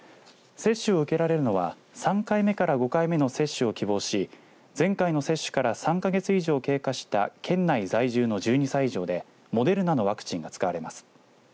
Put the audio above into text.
接種を受けられるのは３回目から５回目の接種を希望し前回の接種から３か月以上経過した県内在住の１２歳以上でモデルナのワクチンが使われます。